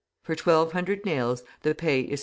For twelve hundred nails the pay is 5.